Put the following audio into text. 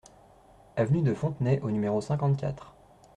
Avenue de Fontenay au numéro cinquante-quatre